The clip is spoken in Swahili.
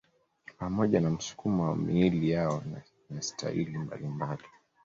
Pamoja na msukumo wa miili yao na staili mbalimbali